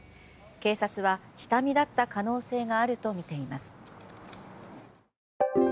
警察は下見だった可能性があるとみています。